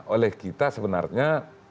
oleh kita sebenarnya